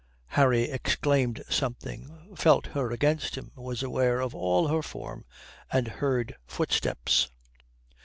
Harry exclaimed something, felt her against him, was aware of all her form and heard footsteps.